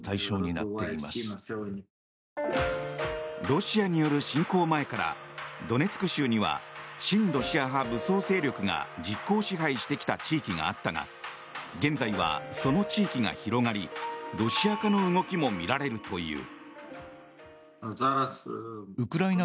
ロシアによる侵攻前からドネツク州には親ロシア派武装勢力が実効支配してきた地域があったが現在は、その地域が広がりロシア化の動きもみられるという。